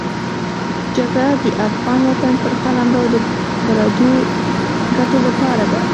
جګړه د افغان وطن پر قلمرو د پردو ګټو لپاره ده.